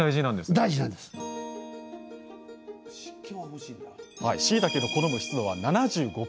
しいたけの好む湿度は７５％以上。